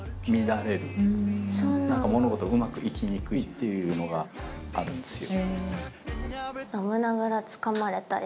ていうのがあるんですよ。